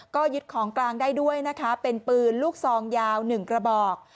ก็ยึดของกลางได้ด้วยนะคะเป็นปืนลูกซองยาว๑กระบอก